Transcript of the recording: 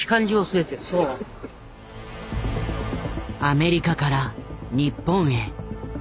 アメリカから日本へ。